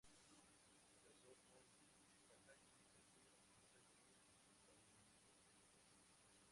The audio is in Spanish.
Se casó con Takagi Tokio, hija de un "daimyō".